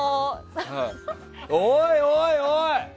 おいおいおい！